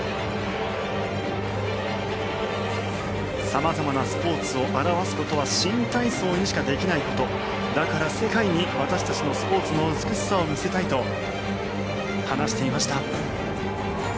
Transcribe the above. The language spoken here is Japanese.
様々なスポーツを表すことは新体操にしかできないことだから、世界に私たちのスポーツの美しさを見せたいと話していました。